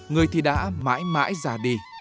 người thì đã mãi mãi già đi